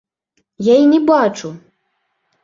Я і не бачу!